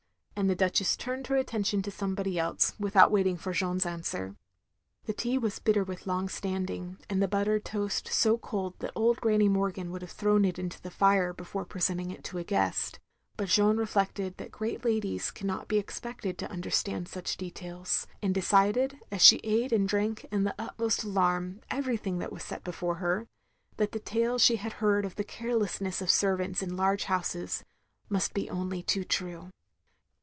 and the Duchess turned her attention to somebody else, without waiting for Jeanne's answer. The tea was bitter with long standing, and the buttered toast so cold that old Granny Morgan would have thrown it into the fire before pre senting it to a guest; but Jeanne reflected that great ladies cannot be expected to understand such details ; and decided, — ^as she ate and drank, in the utmost alarm, everything that was set before her, — ^that the tales she had heard of the careleissness of servants in large houses, must be only too true.